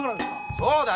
そうだよ！